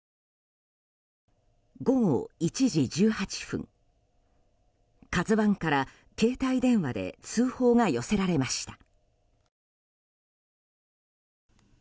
午後１時１８分「ＫＡＺＵ１」から携帯電話で通報が寄せられました。